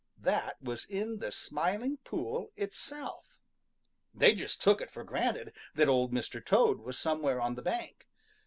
That was in the Smiling Pool itself. They just took it for granted that Old Mr. Toad was somewhere on the bank.